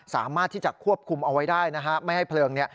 สามารถที่จะควบคุมเอาไว้ได้นะฮะไม่ให้เพลิง